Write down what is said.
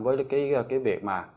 với cái việc mà